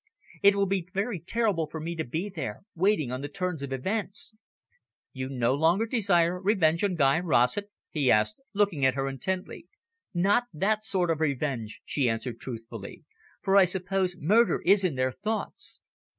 It will be very terrible for me to be there, waiting on the turn of events." "You no longer desire revenge on Guy Rossett?" he asked, looking at her intently. "Not that sort of revenge," she answered truthfully. "For I suppose murder is in their thoughts."